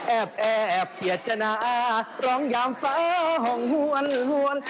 แอบเขียดจนาร้องยามฟ้าห่วงหวน